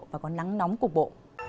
và có nắng nóng cục bộ